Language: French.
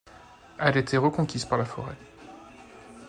Elle a été reconquise par la forêt.